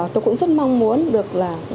tôi cũng rất mong muốn được